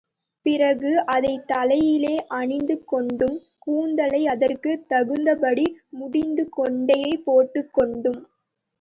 பிறகு அதைத் தலையிலே அணிந்து கொண்டும், கூந்தலை அதற்குத் தகுந்தபடி முடிந்து கொண்டை போட்டுக் கொண்டும்.